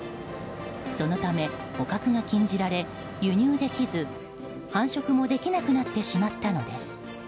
そのため捕獲が禁じられ輸入できず繁殖もできなくなってしまったのです。